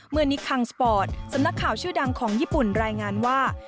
นิคังสปอร์ตสำนักข่าวชื่อดังของญี่ปุ่นรายงานว่า